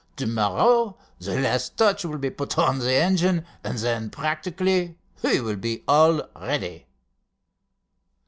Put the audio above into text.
To morrow the last touch will be put on the engine, and then practically we will be all ready."